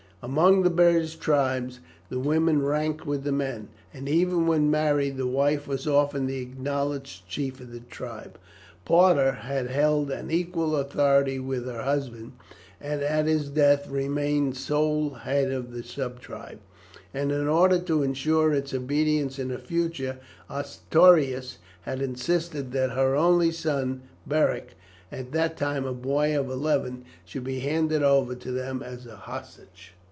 Among the British tribes the women ranked with the men, and even when married the wife was often the acknowledged chief of the tribe. Parta had held an equal authority with her husband, and at his death remained sole head of the subtribe, and in order to ensure its obedience in the future, Ostorius had insisted that her only son Beric, at that time a boy of eleven, should be handed over to them as a hostage.